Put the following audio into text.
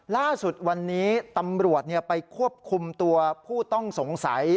ล่าสุดวันนี้ตำรวจไปควบคุมตัวผู้ต้องสงสัย